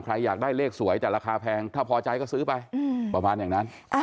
อยากได้เลขสวยแต่ราคาแพงถ้าพอใจก็ซื้อไปประมาณอย่างนั้น